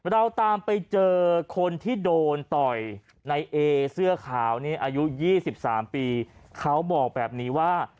เราตามไปเจอคนที่โดนต่อยในเอเสื้อขาวนี้อายุ๒๓ปีเขาบอกแบบนี้ว่า